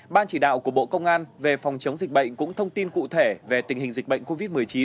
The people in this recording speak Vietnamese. ban chỉ đạo của bộ công an về phòng chống dịch bệnh cũng thông tin cụ thể về tình hình dịch bệnh covid một mươi chín